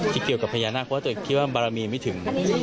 เกี่ยวกับพญานาคเพราะตัวเองคิดว่าบารมีไม่ถึง